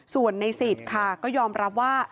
ส่วนในสิทธิ์ค่ะก็ยอมรับว่า